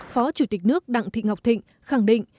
phó chủ tịch nước đặng thị ngọc thịnh khẳng định